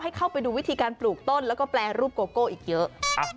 เข้าไปดูวิธีการปลูกต้นแล้วก็แปรรูปโกโก้อีกเยอะ